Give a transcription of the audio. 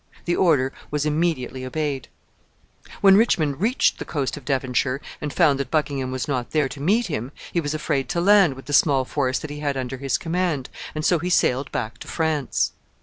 The order was immediately obeyed. When Richmond reached the coast of Devonshire, and found that Buckingham was not there to meet him, he was afraid to land with the small force that he had under his command, and so he sailed back to France.